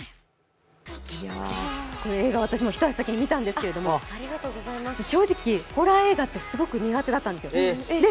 映画、私も一足先に見たんですけど、正直、ホラー映画って、すごく苦手だったんですよ。